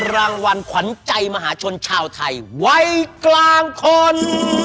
รางวัลขวัญใจมหาชนชาวไทยวัยกลางคน